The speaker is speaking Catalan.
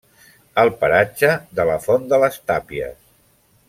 El paratge de la Font de les Tàpies.